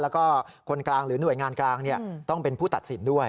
แล้วก็คนกลางหรือหน่วยงานกลางต้องเป็นผู้ตัดสินด้วย